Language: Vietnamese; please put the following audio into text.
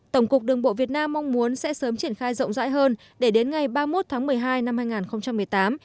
tổng cục đường bộ việt nam mong muốn sẽ sớm triển khai rộng rãi hơn để đến ngày ba mươi một tháng một mươi hai năm hai nghìn một mươi tám